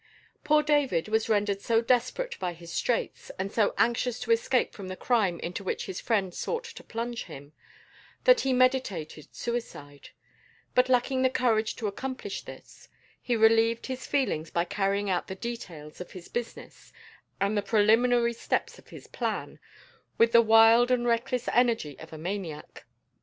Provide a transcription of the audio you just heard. Poor David was rendered so desperate by his straits, and so anxious to escape from the crime into which his friend sought to plunge him, that he meditated suicide; but, lacking the courage to accomplish this, he relieved his feelings by carrying out the details of his business and the preliminary steps of his plan, with the wild and reckless energy of a maniac.